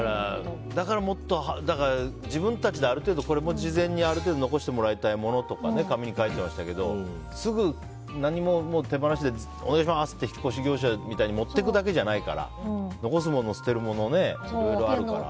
だから、もっと自分たちでこれも事前にある程度残してもらいたいものとかを紙に書いていましたけどすぐ、何も手放しでお願いしますと引っ越し業者みたいに持っていくだけじゃないから残すもの、捨てるものいろいろあるから。